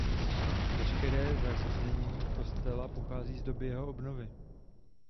Veškeré zařízení kostela pochází z doby jeho obnovy.